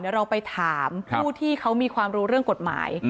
เดี๋ยวเราไปถามผู้ที่เขามีความรู้เรื่องกฎหมาย